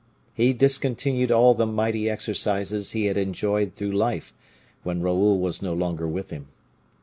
He discontinued all the mighty exercises he had enjoyed through life, when Raoul was no longer with him.